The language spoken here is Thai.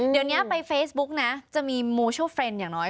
เดี๋ยวนี้ไปเฟซบุ๊กนะจะมีมูชัลเฟรนด์อย่างน้อย